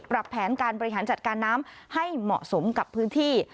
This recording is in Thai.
แผนการบริหารจัดการน้ำให้เหมาะสมกับพื้นที่